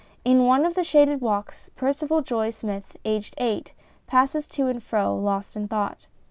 In one of the shaded walks Percivaljoye Smith, aged eight, paces to and fro ', lost in thought.